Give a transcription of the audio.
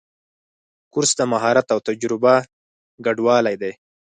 کورس د مهارت او تجربه ګډوالی دی.